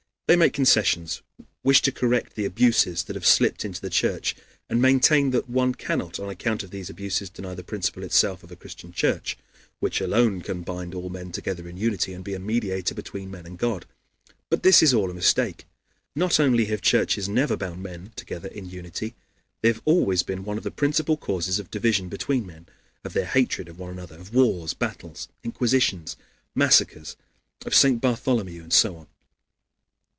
They make concessions, wish to correct the abuses that have slipped into the Church, and maintain that one cannot, on account of these abuses, deny the principle itself of a Christian church, which alone can bind all men together in unity and be a mediator between men and God. But this is all a mistake. Not only have churches never bound men together in unity; they have always been one of the principal causes of division between men, of their hatred of one another, of wars, battles, inquisitions, massacres of St. Bartholomew, and so on.